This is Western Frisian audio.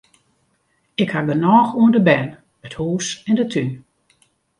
Ik haw genôch oan de bern, it hûs en de tún.